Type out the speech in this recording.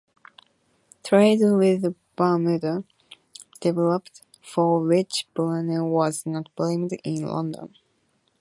Trade with Bermuda developed, for which Bruere was not blamed in London.